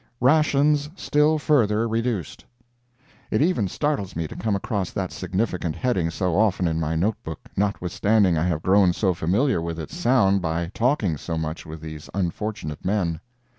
RATIONS STILL FURTHER REDUCED It even startles me to come across that significant heading so often in my note book, notwithstanding I have grown so familiar with its sound by talking so much with these unfortunate men.